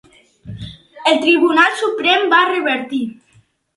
El Tribunal Suprem va revertir.